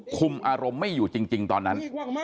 คุมอารมณ์ไม่อยู่จริงตอนนั้น